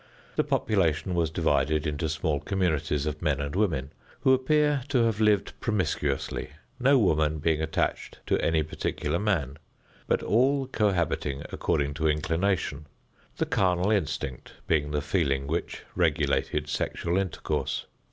The population was divided into small communities of men and women, who appear to have lived promiscuously, no woman being attached to any particular man, but all cohabiting according to inclination, the carnal instinct being the feeling which regulated sexual intercourse.